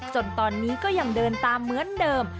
จนตอนนี้ก็ยังเดินตามเหมือนเดิม